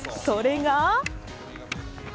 それが。